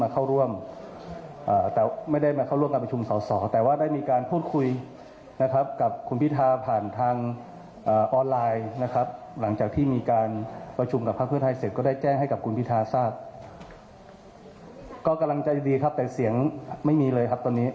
ก็กำลังใจดีครับแต่เสียงไม่มีเลยครับตอนนี้